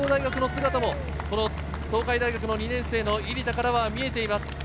帝京の姿も東海の２年生・入田からは見えています。